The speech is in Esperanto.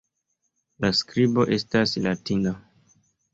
La skribo estas latina.